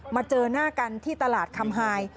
มาเจอหน้ากันที่ตลาดคำไฮ